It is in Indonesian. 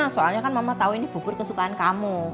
soalnya kan mama tahu ini bubur kesukaan kamu